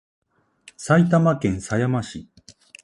埼玉県狭山市